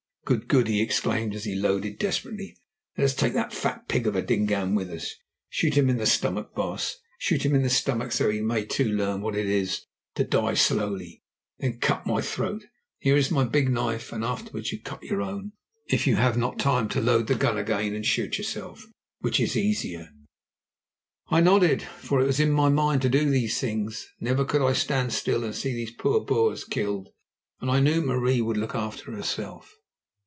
"Good, good!" he exclaimed as he loaded desperately. "Let us take that fat pig of a Dingaan with us. Shoot him in the stomach, baas; shoot him in the stomach, so that he too may learn what it is to die slowly. Then cut my throat, here is my big knife, and afterwards cut your own, if you have not time to load the gun again and shoot yourself, which is easier." I nodded, for it was in my mind to do these things. Never could I stand still and see those poor Boers killed, and I knew that Marie would look after herself.